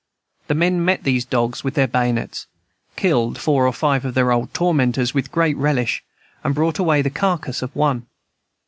The men met these dogs with their bayonets, killed four or five of their old tormentors with great relish, and brought away the carcass of one.